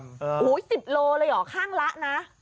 โอ้โห๑๐โลเลยเหรอข้างละนะ